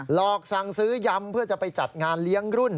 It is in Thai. หลอกสั่งซื้อยำเพื่อจะไปจัดงานเลี้ยงรุ่น